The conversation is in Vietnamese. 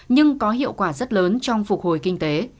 nhưng có hiệu quả rất lớn trong phục hồi kinh tế